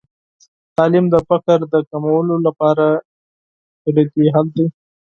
تعلیم د فقر د کمولو لپاره کلیدي حل دی.